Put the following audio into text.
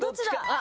あ！